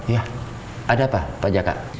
ya ada apa pak jaka